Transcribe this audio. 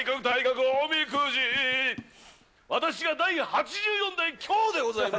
私が第８４代凶でございます。